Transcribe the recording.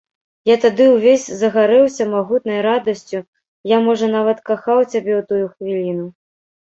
Я тады ўвесь загарэўся магутнай радасцю, я, можа, нават кахаў цябе ў тую хвіліну.